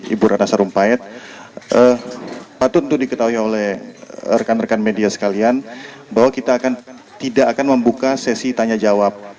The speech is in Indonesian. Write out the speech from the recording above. ibu ratna sarumpayat patut untuk diketahui oleh rekan rekan media sekalian bahwa kita tidak akan membuka sesi tanya jawab